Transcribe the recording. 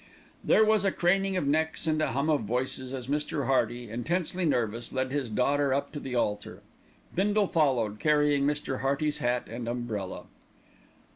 There was a craning of necks and a hum of voices as Mr. Hearty, intensely nervous, led his daughter up to the altar. Bindle followed, carrying Mr. Hearty's hat and umbrella.